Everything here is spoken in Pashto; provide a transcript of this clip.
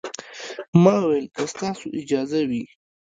ما وويل که ستاسو اجازه وي.